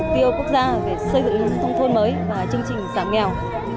tiêu quốc gia về xây dựng thông thôn mới và chương trình giảm nghèo